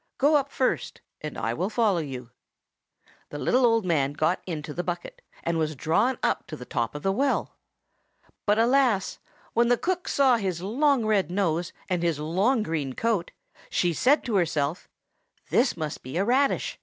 "Go up first, and I will follow you." The little old man got into the bucket, and was drawn up to the top of the well. But, alas! when the cook saw his long red nose and his long green coat, she said to herself, "This must be a radish!